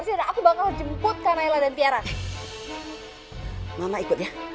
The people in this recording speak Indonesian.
sampai jumpa di video selanjutnya